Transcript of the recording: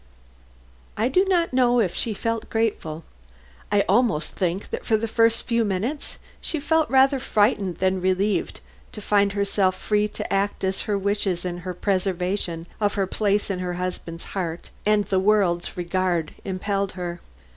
I do not know if she felt grateful. I almost think that for the first few minutes she felt rather frightened than relieved to find herself free to act as her wishes and the preservation of her place in her husband's heart and the world's regard impelled her.